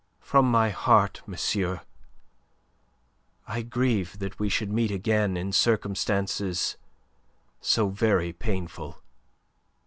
"From my heart, monsieur, I grieve that we should meet again in circumstances so very painful."